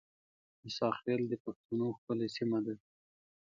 موساخېل د بښتنو ښکلې سیمه ده